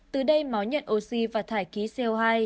từ đây máu nhận oxy và thải khí co hai